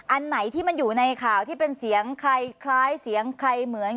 อันไหนที่มันอยู่ในข่าวที่เป็นเสียงใครคล้ายเสียงใครเหมือน